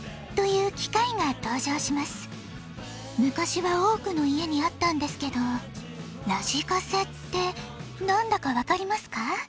むかしは多くの家にあったんですけどラジカセって何だか分かりますか？